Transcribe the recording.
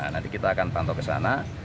nanti kita akan pantau kesana